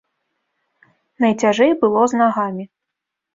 Найцяжэй было з нагамі.